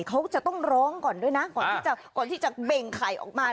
เขาจะต้องร้องก่อนด้วยนะก่อนที่จะเบ้งไข่ออกมา